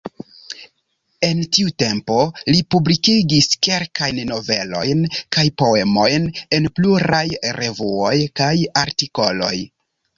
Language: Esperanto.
En tiu tempo, li publikigis kelkajn novelojn kaj poemojn en pluraj revuoj kaj artikoloj.